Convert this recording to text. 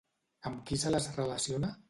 Amb qui se les relaciona?